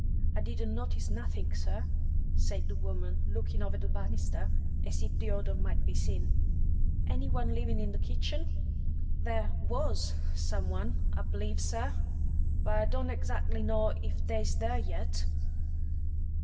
"I didn't notice nothink, sir," said the woman, looking over the banisters as if the odour might be seen. "Any one living in the kitchen?" "There was some one, I b'lieve, sir, but I don't exac'ly know if they's there yet."